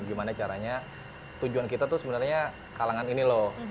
gimana caranya tujuan kita tuh sebenarnya kalangan ini loh